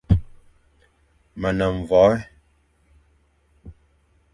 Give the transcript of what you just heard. Me ne mvoè;